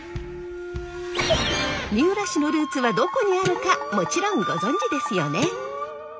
三浦氏のルーツはどこにあるかもちろんご存じですよね？